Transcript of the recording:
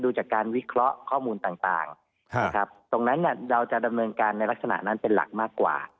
ดูจากการวิเคราะห์ข้อมูลต่างตรงนั้นเราจะดำเนินการในลักษณะนั้นเป็นหลักมากกว่า